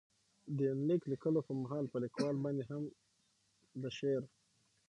دې يونليک ليکلو په مهال، په ليکوال باندې هم د شعر.